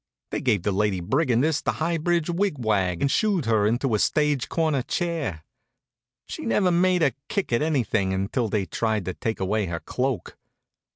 They gave the Lady Brigandess the High Bridge wig wag and shooed her into a stage corner chair. She never made a kick at anything until they tried to take away her cloak.